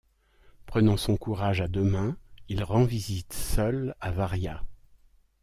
Prenant son courage à deux mains, il rend visite seul à Varia.